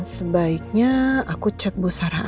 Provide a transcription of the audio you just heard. sebaiknya aku chat bu sarah aja